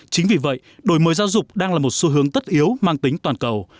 chính vì vậy đổi mới giáo dục đang là một xu hướng tất yếu mang tính toàn cầu